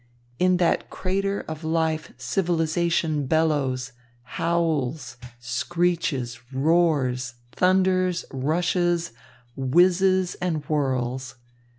In that crater of life civilisation bellows, howls, screeches, roars, thunders, rushes, whizzes and whirls.